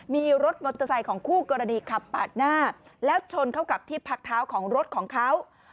มีรถมอเตอร์ไซค์ของคู่กรณีขับปากหน้าแล้วชนเข้ากับที่พักเท้าของรถของเขา